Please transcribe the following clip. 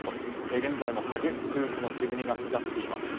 現在も激しく煙が噴き出しています。